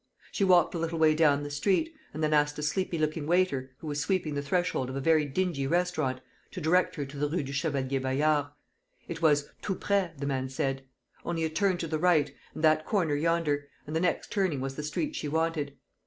She walked a little way down the street, and then asked a sleepy looking waiter, who was sweeping the threshold of a very dingy restaurant, to direct her to the Rue du Chevalier Bayard. It was tous près, the man said; only a turn to the right, at that corner yonder, and the next turning was the street she wanted.